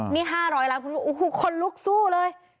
นี่๕๐๐ล้านขนลุกสู้เลย